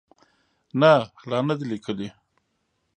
نه، لا نه ده لیکلې